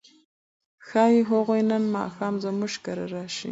ښايي هغوی نن ماښام زموږ کره راشي.